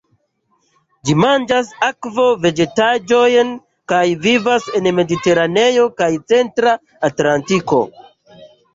Ĝi manĝas akvo-vegetaĵojn kaj vivas en Mediteraneo kaj Centra Atlantiko.